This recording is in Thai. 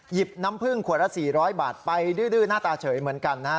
น้ำผึ้งขวดละ๔๐๐บาทไปดื้อหน้าตาเฉยเหมือนกันนะฮะ